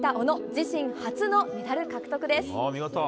自身初のメダル獲得です。